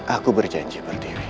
aku berjanji berdiri